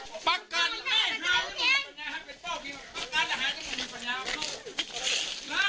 แค้นเหล็กเอาไว้บอกว่ากะจะฟาดลูกชายให้ตายเลยนะ